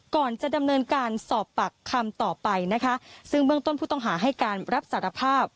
ก่อนจะดำเนินการสอบปากคำต่อไปนะคะซึ่งเบื้องต้นผู้ต้องหาให้การรับสารภาพ